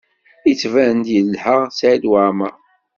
Yettban-d yelha Saɛid Waɛmaṛ.